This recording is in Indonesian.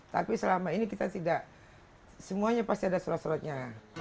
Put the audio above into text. tapi selama ini kita tidak semuanya pasti ada surat suratnya